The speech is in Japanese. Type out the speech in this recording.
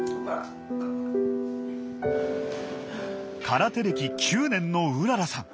空手歴９年のうららさん。